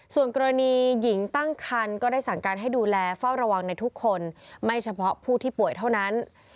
ส่วนกรณีหญิงตั้งคันก็ได้สั่งการให้ดูแลเฝ้าระวังในทุกคนไม่เฉพาะผู้ที่ป่วยเท่านั้น